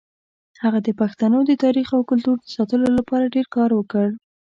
هغه د پښتنو د تاریخ او کلتور د ساتلو لپاره ډېر کار وکړ.